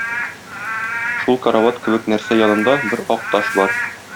Шул карават кебек нәрсә янында бер ак таш бар.